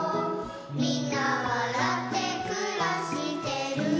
「みんなわらってくらしてる」